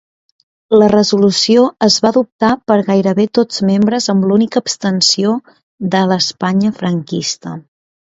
La resolució es va adoptar per gairebé tots membres amb l'única abstenció de l'Espanya franquista.